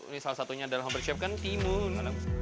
ini salah satunya adalah homber chef kan timun